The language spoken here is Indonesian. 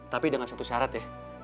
tapi dengan satu syarat ya